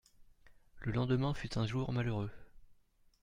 Le lendemain fut un jour malheureux.